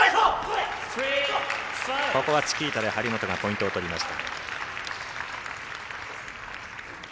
ここはチキータで張本がポイントを取りました。